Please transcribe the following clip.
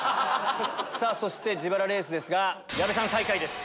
そして自腹レースですが矢部さん最下位です。